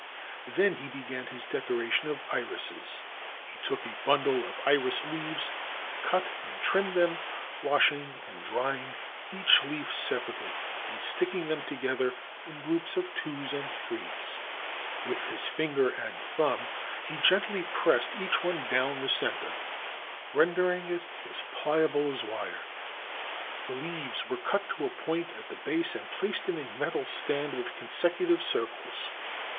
Then he began his decoration of irises. He took a bundle of iris leaves, cut and trimmed them, washing and drying each leaf separately, and sticking them to gether in groups of twos and threes. With his finger and thumb he gently pressed each one down the center, ren dering it as pHable as wire. The leaves were cut to a point at the base and placed in a metal stand with con secutive circles.